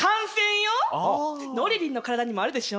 のりりんの体にもあるでしょ。